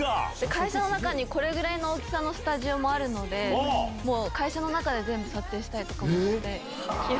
会社の中にこれぐらいの大きさのスタジオもあるので会社の中で撮影したりとかもして。